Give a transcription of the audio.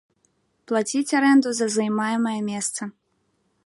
Плаціць арэнду за займаемае месца.